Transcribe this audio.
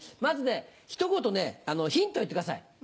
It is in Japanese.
まずひと言ヒントを言ってください。